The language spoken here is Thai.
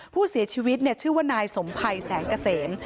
ผู้เสียชีวิตชื่อว่านายสมภัยแสงเกษม